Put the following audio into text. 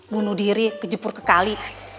bunuh diri kejepur ke kali